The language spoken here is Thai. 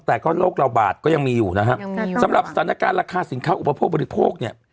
แต่ก็โลกเราบาทก็ยังมีอยู่นะฮะสำหรับสถานการณ์ราคาสินค้าอุปโภคบริโภคเนี่ย